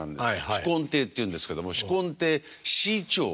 紫紺亭っていうんですけども紫紺亭志い朝。